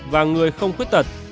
và người không khuyết tật